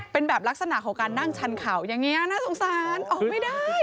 เป็นแบบลักษณะของการนั่งชันเข่าอย่างนี้น่าสงสารออกไม่ได้